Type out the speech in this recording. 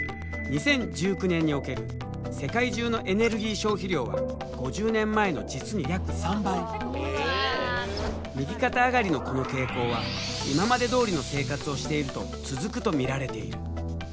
２０１９年における世界中のエネルギー消費量は５０年前の実に約３倍右肩上がりのこの傾向は今までどおりの生活をしていると続くと見られている。